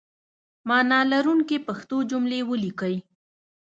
معنی لرونکي پښتو جملې ولیکئ!